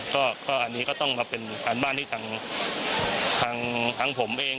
ก็อันนี้ก็ต้องมาเป็นการบ้านที่ทางผมเอง